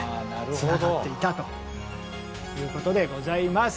つながっていたということでございます。